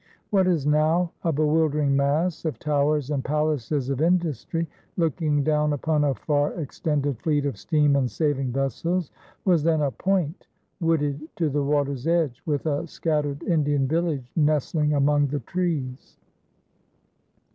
What is now a bewildering mass of towers and palaces of industry, looking down upon a far extended fleet of steam and sailing vessels, was then a point, wooded to the water's edge, with a scattered Indian village nestling among the trees.